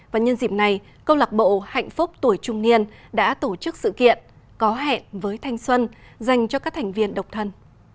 và nhân dịp này câu lạc bộ hạnh phúc tuổi trung niên đã tổ chức sự kiện có hẹn với thanh xuân dành cho các thành viên độc thân